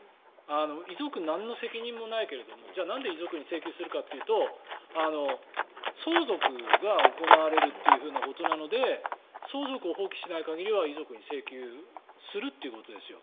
遺族、なんの責任もないけれどなんで遺族に請求するかというと相続が行われるというふうなことなので相続を放棄しない限りは遺族に請求をするということですよ。